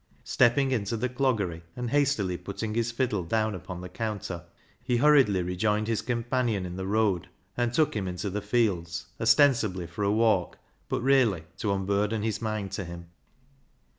Step ping into the Cloggery, and hastily putting his fiddle down upon the counter, he hurriedly re joined his companion in the road, and took him into the fields, ostensibly for a walk, but really to unburden his mind to him.